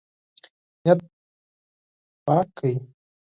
نیت پاک کړئ.